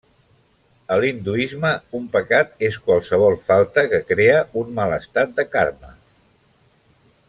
A l'hinduisme un pecat és qualsevol falta que crea un mal estat de karma.